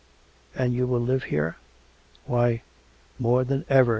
And you will live here ?"" Why ; more than ever